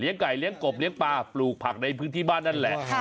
ไก่เลี้ยงกบเลี้ยงปลาปลูกผักในพื้นที่บ้านนั่นแหละ